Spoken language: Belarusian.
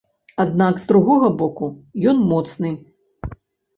Аднак, з другога боку, ён моцны.